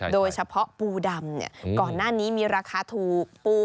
โดยเฉพาะปูดำตอนหน้านี้มีราคาถูก